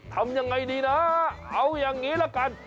ทำยังไงดีนะเอาอย่างนี้ละกัน